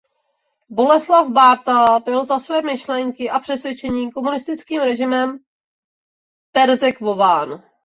Boleslav Bárta byl za své myšlenky a přesvědčení komunistickým režimem perzekvován.